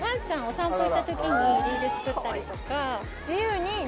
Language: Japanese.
行った時にリール作ったりとか。